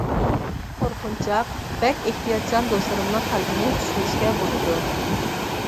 قورقۇنچاق، بەك ئېھتىياتچان دوستلىرىمنىڭ قەلبىنى چۈشىنىشكە بولىدۇ.